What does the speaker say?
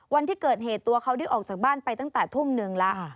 วันที่เกิดเหตุตัวเขาได้ออกจากบ้านไปตั้งแต่ทุ่มหนึ่งแล้ว